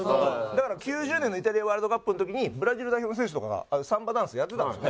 だから９０年のイタリア・ワールドカップの時にブラジル代表の選手とかがサンバダンスやってたんですよ。